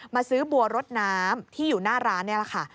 ซื้อบัวรถน้ำที่อยู่หน้าร้านนี่แหละค่ะ